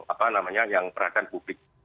apa namanya yang perhatian publik